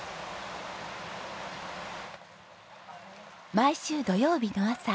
毎週土曜日の朝。